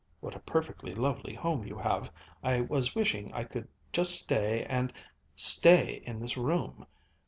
What a perfectly lovely home you have! I was wishing I could just stay and stay in this room."